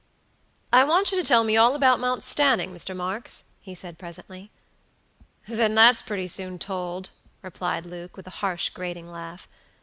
"I want you to tell me all about Mount Stanning, Mr. Marks," he said, presently. "Then that's pretty soon told," replied Luke, with a harsh, grating laugh.